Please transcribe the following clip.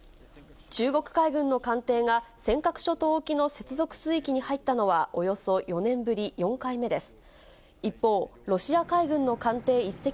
中国海軍の艦艇が尖閣諸島沖の接続水域に入ったのはおよそ４年ぶり、４回目です。